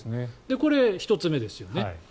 これ、１つ目ですよね。